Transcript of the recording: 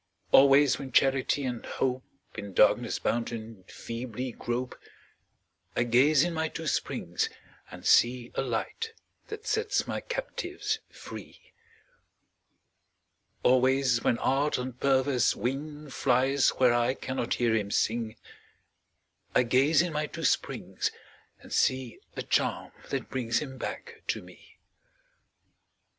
Always when Charity and Hope, In darkness bounden, feebly grope, I gaze in my two springs and see A Light that sets my captives free. Always, when Art on perverse wing Flies where I cannot hear him sing, I gaze in my two springs and see A charm that brings him back to me.